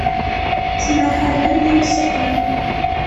Ttmahalen d imsuqqlen.